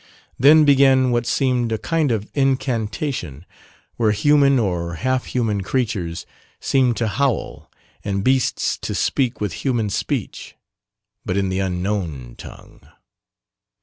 Then began what seemed a kind of incantation where human or half human creatures seemed to howl, and beasts to speak with human speech but in the unknown tongue.